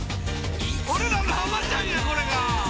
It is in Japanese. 俺らの浜ちゃんやこれが。